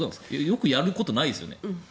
よくやることないですよね。